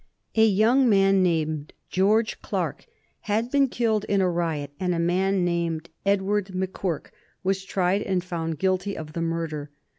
A young man named George Clarke had been killed in a riot and a man named Edward M'Quirk was tried and found guilty of the murder.